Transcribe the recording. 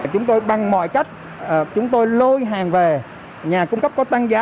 chúng tôi bằng mọi cách chúng tôi lôi hàng về nhà cung cấp có tăng giá